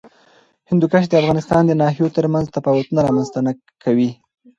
هندوکش د افغانستان د ناحیو ترمنځ تفاوتونه رامنځ ته کوي.